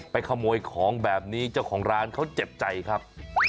ขโมยของแบบนี้เจ้าของร้านเขาเจ็บใจครับ